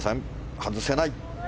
外せない。